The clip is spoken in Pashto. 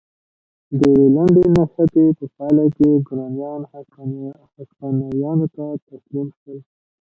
د یوې لنډې نښتې په پایله کې ګورانیان هسپانویانو ته تسلیم شول.